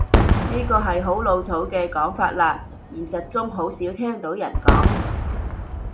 呢個係好老土嘅講法喇，現實中好少聽到人講